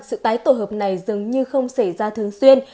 sự tái tổ hợp này dường như không xảy ra thường xuyên